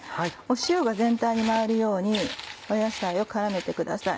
塩が全体に回るように野菜を絡めてください。